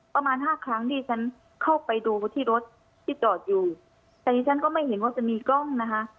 ประมาณห้าครั้งที่ฉันเข้าไปดูที่รถที่จอดอยู่แต่ดิฉันก็ไม่เห็นว่าจะมีกล้องนะคะ